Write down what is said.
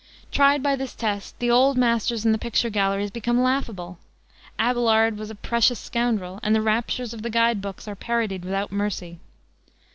Tried by this test the Old Masters in the picture galleries become laughable. Abelard was a precious scoundrel, and the raptures of the guide books are parodied without mercy.